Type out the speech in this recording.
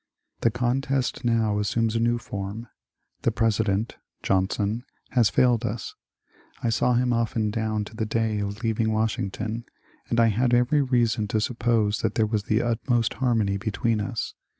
The contest now assumes a new form. The President [John son] has failed us. I saw him often down to the day of leav ing Washington, and I had every reason to suppose that there was the utmost harmony between us.